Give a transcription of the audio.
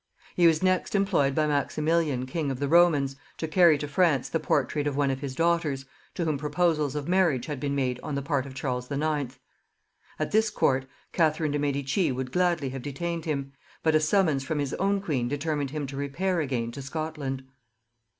He was next employed by Maximilian king of the Romans to carry to France the portrait of one of his daughters, to whom proposals of marriage had been made on the part of Charles IX. At this court Catherine dei Medici would gladly have detained him; but a summons from his own queen determined him to repair again to Scotland.